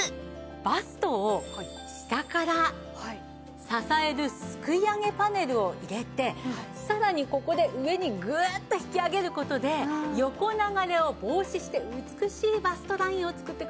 バストを下から支えるすくい上げパネルを入れてさらにここで上にグッと引き上げる事で横流れを防止して美しいバストラインを作ってくれます。